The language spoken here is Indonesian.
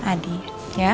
hai adi hai ini saya adi